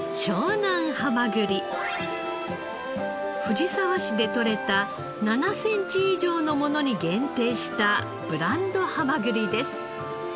藤沢市で獲れた７センチ以上のものに限定したブランドハマグリです。